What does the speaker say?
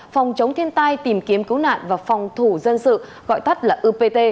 phòng chống thiên tai tìm kiếm cứu nạn và phòng thủ dân sự gọi tắt là upt